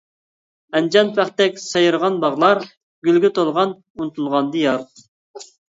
ئەنجان پاختەك سايرىغان باغلار، گۈلگە تولغان ئۇنتۇلغاندا ياز.